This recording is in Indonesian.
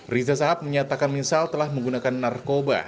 riza sahab menyatakan misal telah menggunakan narkoba